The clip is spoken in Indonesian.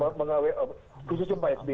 khususnya pak sd